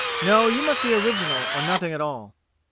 "[35:A] No; you must be original or nothing at all.